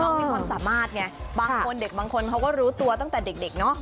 มีความสามารถไงบางคนเด็กบางคนเขาก็รู้ตัวตั้งแต่เด็กเนอะ